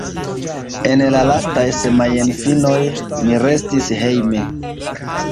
En la lastaj semajnfinoj, mi restis hejme.